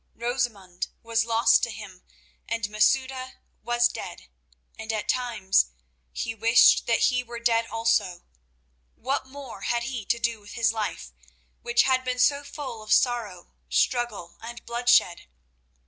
Rosamund was lost to him and Masouda was dead, and at times he wished that he were dead also. What more had he to do with his life, which had been so full of sorrow, struggle and bloodshed?